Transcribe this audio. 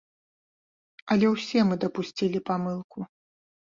Але ўсе мы дапусцілі памылку.